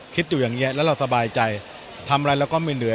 คิดอยู่อย่างเงี้ยแล้วเราสบายใจทำอะไรเราก็ไม่เหนื่อย